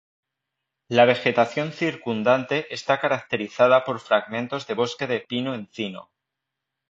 La vegetación circundante está caracterizada por fragmentos de bosque de pino-encino.